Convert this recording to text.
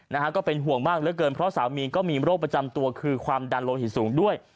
นะฮะก็เป็นห่วงมากเหลือเกินเพราะสามีก็มีโรคประจำตัวคือความดันโลหิตสูงด้วย